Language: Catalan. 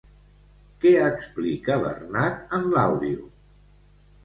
Què explica Bernad en l'àudio?